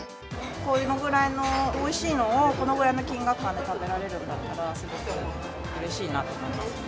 このぐらいのおいしいのを、このぐらいの金額感で食べられるんだったら、すごくうれしいなと思いますね。